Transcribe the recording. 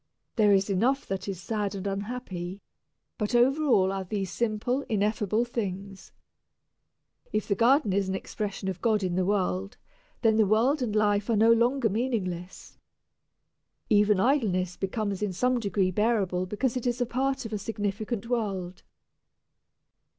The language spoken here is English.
There is enough that is sad and unhappy, but over all are these simple, ineffable things. If the garden is an expression of God in the world, then the world and life are no longer meaningless. Even idleness becomes in some degree bearable because it is a part of a significant world.